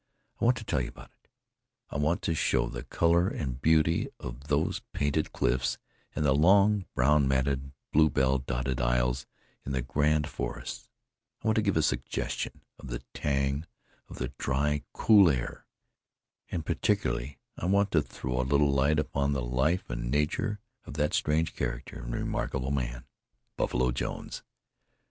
I want to tell about it. I want to show the color and beauty of those painted cliffs and the long, brown matted bluebell dotted aisles in the grand forests; I want to give a suggestion of the tang of the dry, cool air; and particularly I want to throw a little light upon the life and nature of that strange character and remarkable man, Buffalo Jones.